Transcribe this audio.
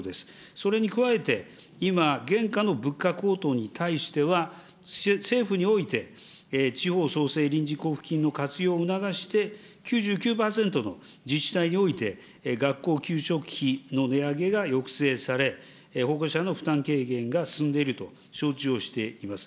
それに加えて、今、現下の物価高騰に対しては、政府において、地方創生臨時交付金の活用を促して、９９％の自治体において、学校給食費の値上げが抑制され、保護者の負担軽減が進んでいると承知をしています。